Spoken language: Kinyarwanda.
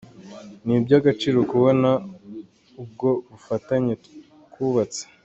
Ni iby’agaciro kubona ubwo bufatanye twubatse.